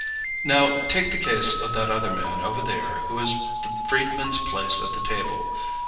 "Now, take the case of that other man over there who has the freedman's place at the table.